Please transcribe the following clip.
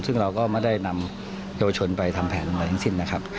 ซึ่งเราก็ไม่ได้นำเยาวชนไปทำแผนอะไรทั้งสิ้นนะครับ